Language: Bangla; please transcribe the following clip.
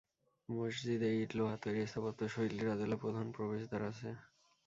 মসজিদে ইট, লোহার তৈরি স্থাপত্য শৈলীর আদলে প্রধান প্রবেশদ্বার আছে।